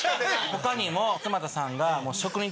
他にも勝俣さんが。